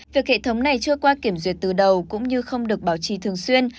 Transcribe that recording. việc hệ thống này chưa qua kiểm duyệt từ đầu cũng như không được bảo trì thường xuyên